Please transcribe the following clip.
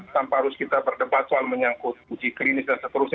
tanpa harus kita berdebat soal menyangkut uji klinis dan seterusnya